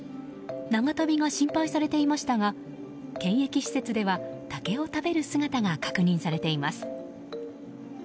長旅が心配されていましたが検疫施設では竹を食べる姿が確認されています。